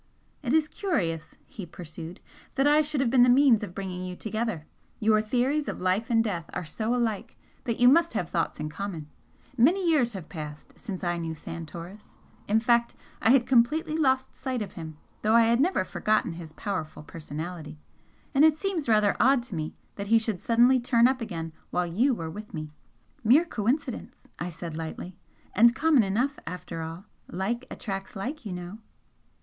"It is curious," he pursued "that I should have been the means of bringing you together. Your theories of life and death are so alike that you must have thoughts in common. Many years have passed since I knew Santoris in fact, I had completely lost sight of him, though I had never forgotten his powerful personality and it seemt rather odd to me that he should suddenly turn up again while you were with me " "Mere coincidence," I said, lightly "and common enough, after all. Like attracts like, you know."